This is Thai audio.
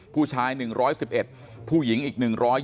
ผู้ชาย๑๑๑ผู้หญิงอีก๑๐